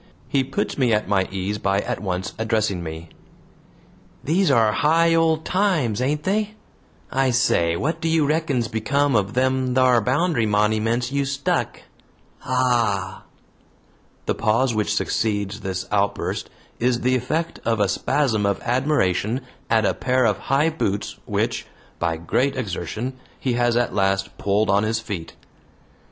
He puts me at my ease by at once addressing me: "These are high old times, ain't they? I say, what do you reckon's become o' them thar bound'ry moniments you stuck? Ah!" The pause which succeeds this outburst is the effect of a spasm of admiration at a pair of high boots, which, by great exertion, he has at last pulled on his feet.